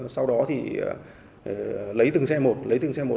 sau đó thì lấy từng xe một lấy từng xe một